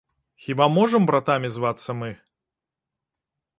Хіба можам братамі звацца мы?